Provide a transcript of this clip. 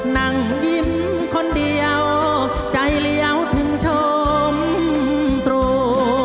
นั่งยิ้มคนเดียวใจเลี้ยวถึงชมตรู